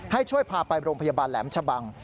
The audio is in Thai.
ให้ช่วยพาไปโรงพยาบาลแหลมชะบัง